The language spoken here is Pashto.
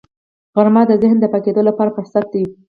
غرمه د ذهن د پاکېدو لپاره فرصت دی